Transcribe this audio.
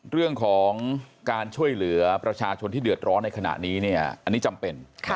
เรื่องของการช่วยเหลือประชาชนที่เดือดร้อนในขณะนี้เนี่ยอันนี้จำเป็น